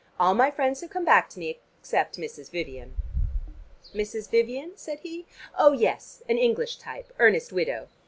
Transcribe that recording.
All my friends have come back to me, except Mrs. Vivian." "Mrs. Vivian?" said he. "Oh, yes, an English type, earnest widow."